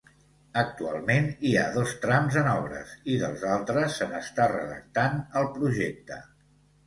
Actualment hi ha dos trams en obres, i dels altres se n'està redactant el projecte.